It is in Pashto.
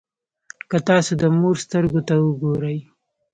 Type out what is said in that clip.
که تاسو د مور سترګو ته وګورئ.